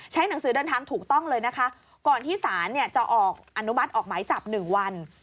หนังสือเดินทางถูกต้องเลยนะคะก่อนที่ศาลจะออกอนุมัติออกหมายจับ๑วัน